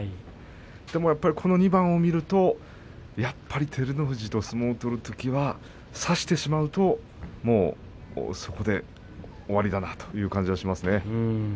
でもやっぱりこの２番を見るとやっぱり照ノ富士と相撲を取るときは差してしまうと、もうそこで終わりだなという感じがしますね。